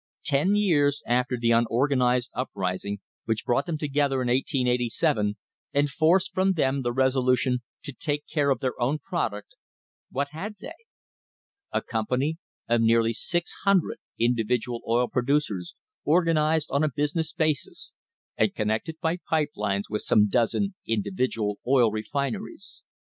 Ten years after the unorganised uprising which brought them together in 1887 and forced from them the resolution to take care of their own product, what had they? A company of nearly ' A MODERN WAR FOR INDEPENDENCE 600 individual oil producers organised on a business basis, and connected by pipe lines with some dozen individual oil refineries.